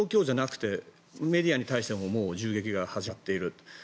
そんな状況じゃなくてメディアに対しても銃撃が始まっている。